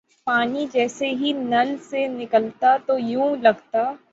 پانی جیسے ہی نل سے نکلتا تو یوں لگتا